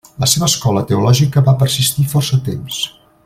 La seva escola teològica va persistir força temps.